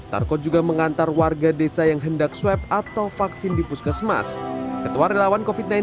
tarko juga mengantar warga desa yang hendak swab atau vaksin di puskesmas ketua relawan covid sembilan belas